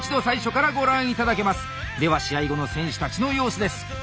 では試合後の選手たちの様子です。